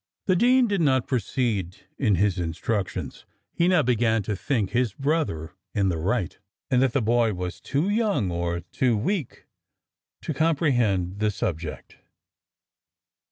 The dean did not proceed in his instructions. He now began to think his brother in the right, and that the boy was too young, or too weak, to comprehend the subject.